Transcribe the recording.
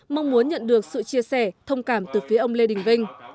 mong muốn nhận được sự chia sẻ thông cảm từ phía ông lê đình vinh